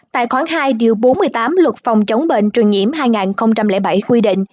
tài khoản hai bốn mươi tám luật phòng chống bệnh truyền nhiễm hai nghìn bảy quy định